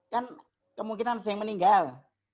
kan kemungkinan yang meninggal